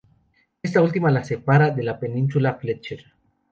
Está última la separa de la península Fletcher.